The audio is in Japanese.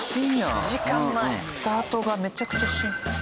スタートがめちゃくちゃ深夜。